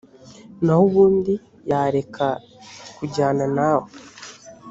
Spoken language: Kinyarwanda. naho ubundi, yareka kujyana nawe.